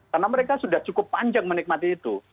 karena mereka sudah cukup panjang menikmati itu